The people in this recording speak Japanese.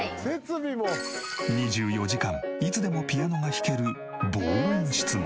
２４時間いつでもピアノが弾ける防音室も。